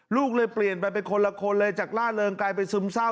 ลูกเลยเปลี่ยนไปเป็นคนละคนเลยจากล่าเริงกลายเป็นซึมเศร้า